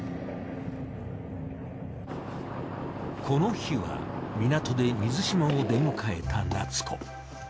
この日は港で水嶋を出迎えた夏子。